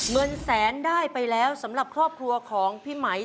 เงินแสนได้ไปแล้วสำหรับครอบครัวของพี่ไหม